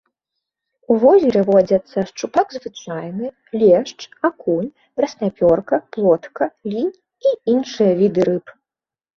У возеры водзяцца шчупак звычайны, лешч, акунь, краснапёрка, плотка, лінь і іншыя віды рыб.